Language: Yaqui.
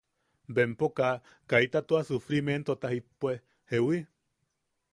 Bempo kaa... kaita tua sufrimientota tua jippue. ¿Jeewi?